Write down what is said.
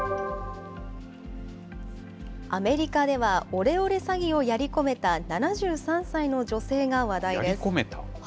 アメリカでは、オレオレ詐欺をやり込めた７３歳の女性が話題です。